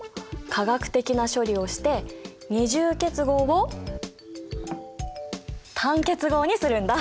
化学的な処理をして二重結合を単結合にするんだ。